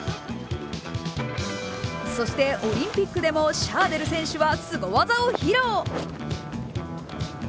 そしてオリンピックでもシャーデル選手はすご技を披露。